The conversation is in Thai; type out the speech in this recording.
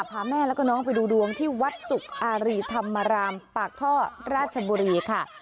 พาแม่แล้วก็น้องไปดูดวงที่วัดสุกอารีธรรมรามปากท่อราชบุรีค่ะ